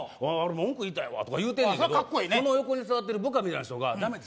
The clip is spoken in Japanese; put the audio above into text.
文句言いたいわとか言うてるねんけどその横に座ってる部下みたいな人がダメです